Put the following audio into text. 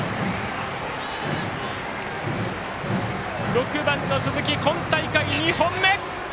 ６番の鈴木、今大会２本目。